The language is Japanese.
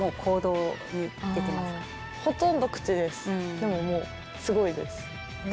でももうすごいです。